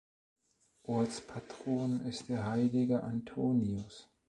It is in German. Ortspatron ist der heilige Antonius.